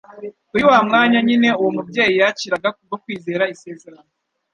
Kuri wa mwanya nyine uwo mubyeyi yakiraga kubwo kwizera isezerano